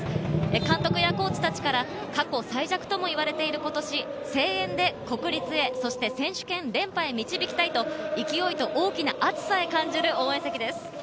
監督やコーチたちから過去最弱ともいわれている今年、声援で国立へ、そして選手権連覇へ導きたいと勢いと大きな熱さを感じる応援席です。